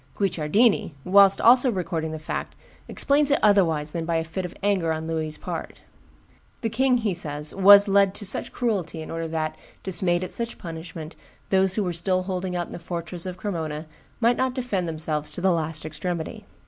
Guicciardini, whilst also recording the fact, explains it otherwise than by a fit of anger on Louis's part: "The king," he says, "was led to such cruelty in order that, dismayed at such punishment, those who were still holding out in the fortress of Cremona might not defend themselves to the last extremity."